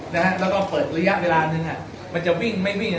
แล้วก็เปิดระยะเวลานึงอ่ะมันจะวิ่งไม่วิ่ง